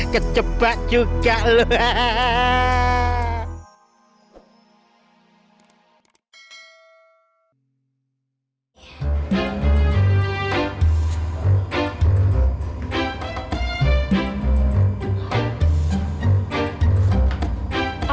kecebak juga lu hahaha